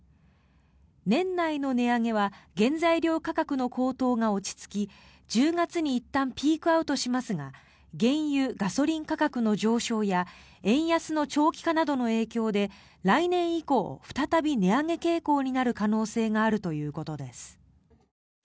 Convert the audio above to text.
年内の値上げは原材料価格の高騰が落ち着き１０月にいったんピークアウトしますが原油・ガソリン価格の上昇や円安の長期化などの影響で来年以降、再び値上げ傾向になる可能性があるということです。